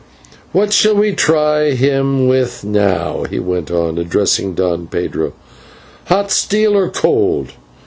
"What shall we try him with now?" he went on, addressing Don Pedro; "hot steel or cold?